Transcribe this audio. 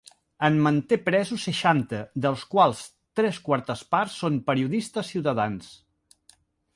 En manté presos seixanta, dels quals tres quartes parts són periodistes-ciutadans.